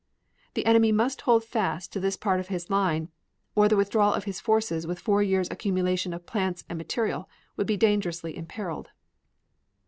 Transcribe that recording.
The enemy must hold fast to this part of his lines or the withdrawal of his forces with four years' accumulation of plants and material would be dangerously imperiled.